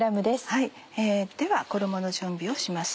では衣の準備をします。